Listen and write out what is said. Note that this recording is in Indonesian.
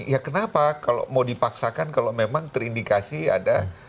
ya kenapa kalau mau dipaksakan kalau memang terindikasi ada